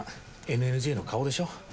ＮＮＪの顔でしょ。